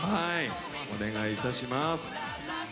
お願い致します。